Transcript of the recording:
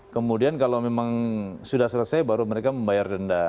kemudian kalau memang sudah selesai baru mereka membayar denda